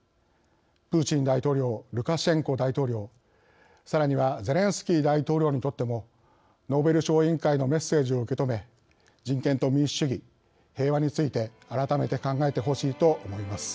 プーチン大統領ルカシェンコ大統領、さらにはゼレンスキー大統領にとってもノーベル賞委員会のメッセージを受け止め人権と民主主義、平和について改めて考えてほしいと思います。